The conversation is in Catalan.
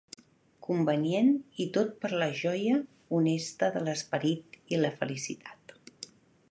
Convenient i tot per a la joia honesta de l'esperit i la felicitat.